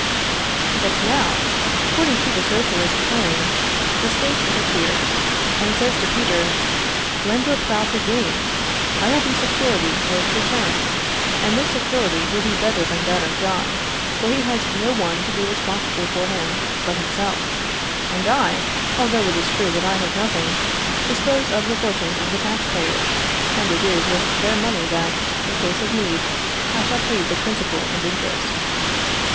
But now, according to the Socialist plan, the State interferes, and says to Peter, "Lend your plough to James, I will be security for its return, and this security will be better than that of John, for he has no one to be responsible for him but himself; and I, although it is true that I have nothing, dispose of the fortune of the tax payers, and it is with their money that, in case of need, I shall pay you the principal and interest."